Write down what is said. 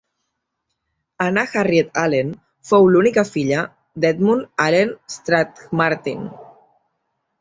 Anna Harriet Allen fou l'única filla de Edmund Allen d'Strathmartin.